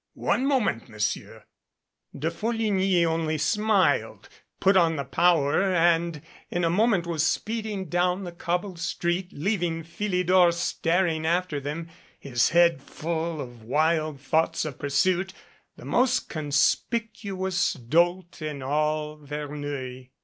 "One moment, Monsieur De Folligny only smiled, put on the power and in a moment was speeding down the cobbled street, leaving Philidor staring after them, his head full of wild thoughts of pursuit, the most conspicuous dolt in all Verneuil.